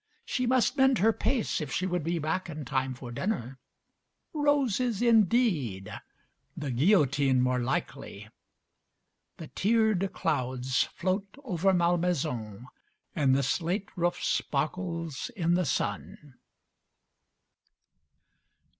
She must mend her pace if she would be back in time for dinner. Roses indeed! The guillotine more likely. The tiered clouds float over Malmaison, and the slate roof sparkles in the sun.